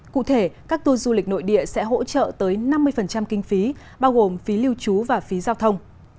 cụ thể các tour du lịch nội địa sẽ hỗ trợ tới năm mươi kinh phí bao gồm phí lưu trú và phí giao thông